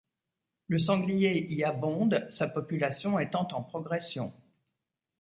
Le sanglier y abonde, sa population étant en progression.